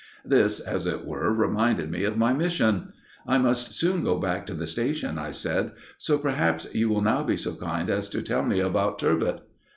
This, as it were, reminded me of my mission. "I must soon go back to the station," I said, "so perhaps you will now be so kind as to tell me about 'Turbot.